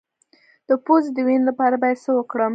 د پوزې د وینې لپاره باید څه وکړم؟